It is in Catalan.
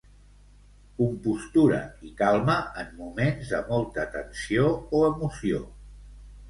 Compostura i calma en moments de molta tensió o emoció.